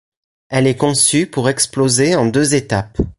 Elle est conçue pour exploser en deux étapes.